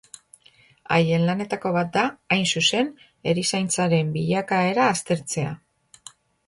Haien lanetako bat da, hain zuzen, erizaintzaren bilakaera aztertzea.